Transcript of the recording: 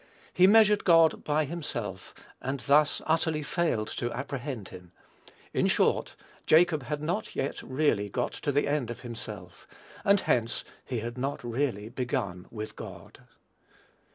He measured God by himself, and thus utterly failed to apprehend him. In short, Jacob had not yet really got to the end of himself; and hence he had not really begun with God.